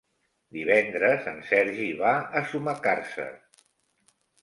Divendres en Sergi va a Sumacàrcer.